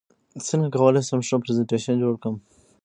څنګه کولی شم ښه پرزنټیشن جوړ کړم